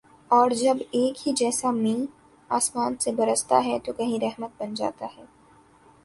اور جب ایک ہی جیسا مینہ آسماں سے برستا ہے تو کہیں رحمت بن جاتا ہے